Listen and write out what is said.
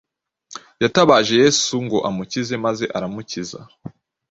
Yatabaje Yesu ngo amukize, maze aramukiza.